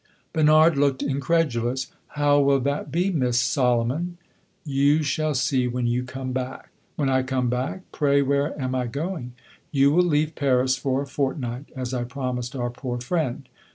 Bernard looked incredulous. "How will that be, Miss Solomon?" "You shall see when you come back." "When I come back? Pray, where am I going?" "You will leave Paris for a fortnight as I promised our poor friend."